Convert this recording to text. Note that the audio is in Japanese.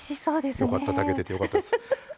よかった炊けててよかったです。